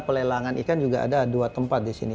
pelelangan ikan juga ada dua tempat disini